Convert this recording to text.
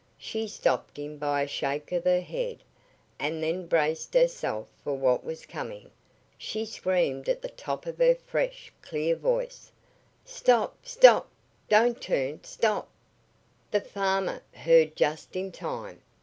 She stopped him by a shake of her head, and then braced herself for what was coming. She screamed at the top of her fresh, clear voice: "Stop! stop! Don't turn! stop!" The farmer heard just in time.